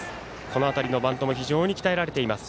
この辺りのバントも非常に鍛えられています。